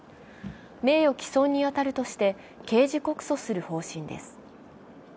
名誉毀損に当たるとして刑事告訴する方針です